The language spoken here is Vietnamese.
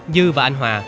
dư và anh hòa